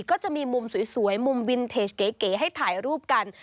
ก็จะมีมุมสวยมุมวินเทจเก๋ให้ถ่ายรูปกัน